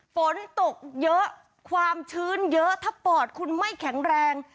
ฝนตกเยอะความชื้นเยอะถ้าปอดคุณไม่แข็งแรง